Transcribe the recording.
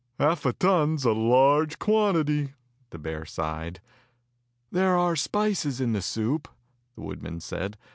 "Half a ton is a large quantity," the bear sighed. "There are spices in the soup," the wood man said.